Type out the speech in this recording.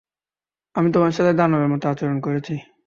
আমি তোমার সাথে দানবের মতো আচরণ করেছি।